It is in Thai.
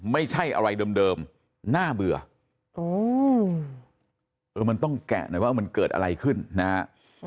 ไม่ใช่อะไรเดิมน่าเบื่อเออมันต้องแกะหน่อยว่ามันเกิดอะไรขึ้นนะฮะ